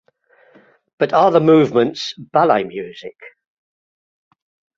But are the "Movements" ballet music?